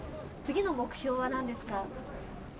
次の目標は何ですか？